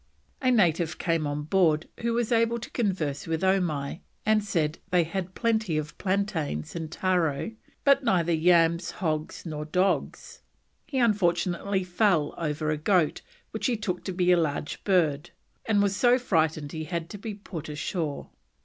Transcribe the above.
A native came on board who was able to converse with Omai, and said they had plenty of plantains and taro, but neither yams, hogs, nor dogs. He unfortunately fell over a goat, which he took to be a large bird, and was so frightened he had to be put ashore.